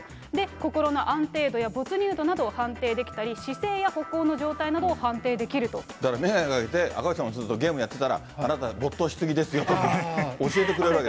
心の安定度や没入度などを判定できたり、姿勢や歩行の状態などをだから眼鏡かけて、赤星さんがずっとゲームやってたら、あなた、没頭し過ぎですよとか、教えてくれるわけ。